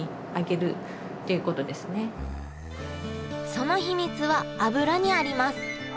その秘密は油にあります。